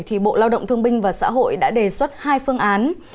thì bộ lao động thương binh và xã hội đã đề xuất hai phương án